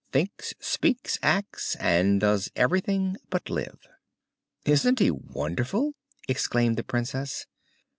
Thinks, Speaks, Acts, and Does Everything but Live. "Isn't he wonderful!" exclaimed the Princess.